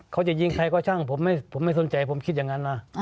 เขาจะยิงใครก็ช่างผมไม่สนใจผมคิดอย่างนั้นนะ